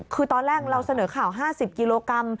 คือตอนแรกเราเสนอข่าว๕๐กิโลกรัม